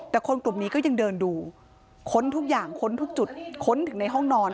แต่คนกลุ่มนี้ก็ยังเดินดูค้นทุกอย่างค้นทุกจุดค้นถึงในห้องนอน